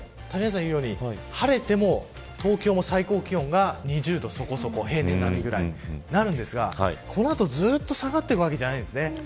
晴れても東京も最高気温が２０度そこそこ、平年並みぐらいなんですが、この後ずっと下がっていくわけではないんです。